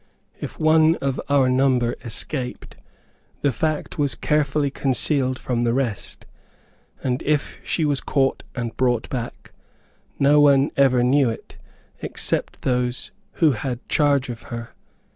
If one of our number escaped, the fact was carefully concealed from the rest, and if she was caught and brought back, no one ever knew it, except those who had charge of her.